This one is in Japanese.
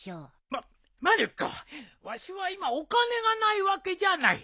ままる子わしは今お金がないわけじゃない。